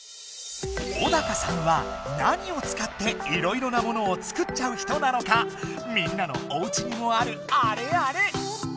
小高さんは何を使っていろいろなものを作っちゃう人なのかみんなのおうちにもあるあれあれ！